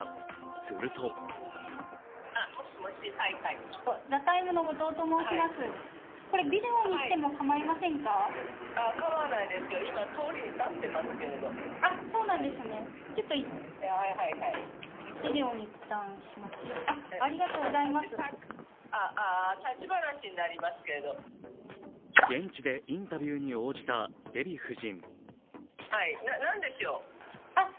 すると現地でインタビューに応じたデヴィ夫人。